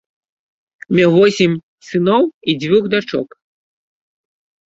Меў восем сыноў і дзвюх дачок.